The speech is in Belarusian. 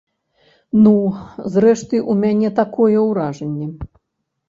Ну, зрэшты, у мяне такое ўражанне.